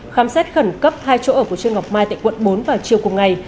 khám xét khẩn cấp hai chỗ ở của trương ngọc mai tại quận bốn vào chiều cùng ngày